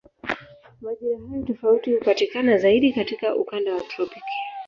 Majira hayo tofauti hupatikana zaidi katika ukanda wa tropiki.